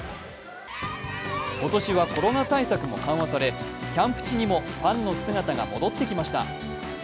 今年はコロナ対策も緩和されキャンプ地にもファンの姿が戻ってきました。